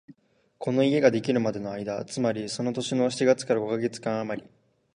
この家ができるまでの間、つまりその年の七月から五カ月間あまり、